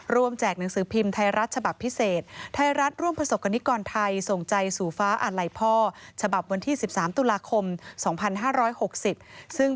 รวมแจกหนังสือพิมพ์ไทยรัฐฉบับพิเศษ